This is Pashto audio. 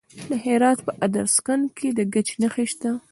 د هرات په ادرسکن کې د ګچ نښې شته.